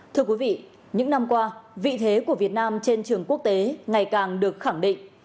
thưa quý vị những năm qua vị thế của việt nam trên trường quốc tế ngày càng được khẳng định